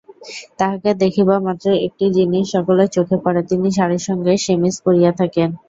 তাঁহাকে দেখিবামাত্রই একটা জিনিস সকলের চোখে পড়ে– তিনি শাড়ির সঙ্গে শেমিজ পরিয়া থাকেন।